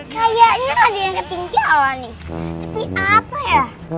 kayaknya kan ada yang ketinggalan nih